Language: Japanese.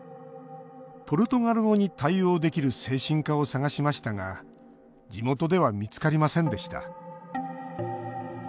ポルトガル語に対応できる精神科を探しましたが地元では見つかりませんでした。